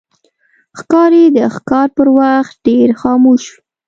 ښکاري د ښکار پر وخت ډېر خاموش وي.